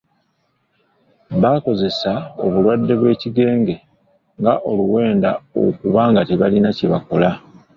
Baakozesezza obulwadde bw'ebigenge nga oluwenda okuba nga tebalina kye bakola.